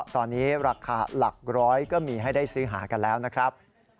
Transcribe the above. ตอนนี้ราคาหลักร้อยก็มีให้ได้ซื้อหากันแล้วนะครับ